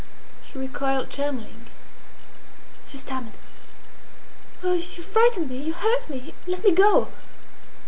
She recoiled trembling. She stammered: "Oh, you frighten me! You hurt me! Let me go!"